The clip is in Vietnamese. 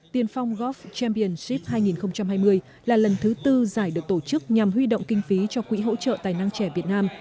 tiền phong golf championship hai nghìn hai mươi là lần thứ tư giải được tổ chức nhằm huy động kinh phí cho quỹ hỗ trợ tài năng trẻ việt nam